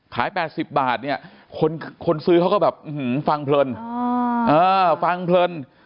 ขาย๘๐บาทเนี่ยคนซื้อเขาก็แบบฟังเพลินฟังเพลิน